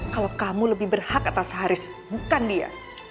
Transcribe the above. kalau kamu lebih berhak atas haris bukan dia